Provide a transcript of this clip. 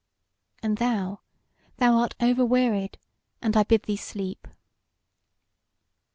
And thou, thou art over wearied, and I bid thee sleep."